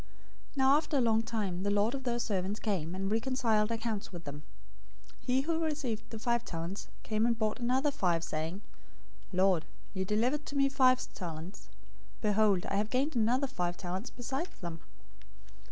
025:019 "Now after a long time the lord of those servants came, and reconciled accounts with them. 025:020 He who received the five talents came and brought another five talents, saying, 'Lord, you delivered to me five talents. Behold, I have gained another five talents besides them.'